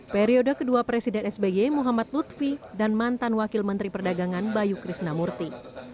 periode kedua presiden sby muhammad lutfi dan mantan wakil menteri perdagangan bayu krisnamurti